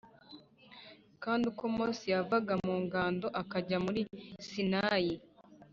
Kandi uko Mose yavaga mu ngando akajya muri Sinayi